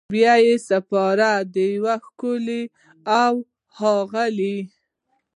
بیا یې سپاري د یو ښکلي اوښاغلي